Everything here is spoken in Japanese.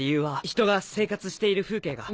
人が生活している風景が。